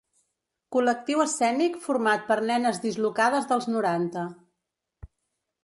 Col·lectiu escènic format per nenes dislocades dels noranta.